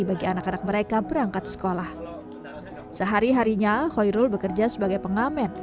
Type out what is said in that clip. bagi anak anak mereka berangkat sekolah sehari harinya khairul bekerja sebagai pengamen